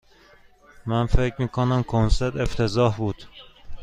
من فکر می کنم کنسرت افتضاح بود.